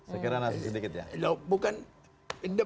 sekarang langsung sedikit ya